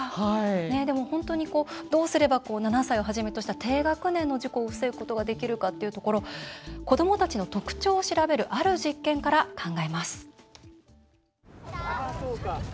でも本当にどうすれば７歳をはじめとした低学年の事故を防ぐことができるかというところ子どもたちの特徴を調べるある実験から考えます。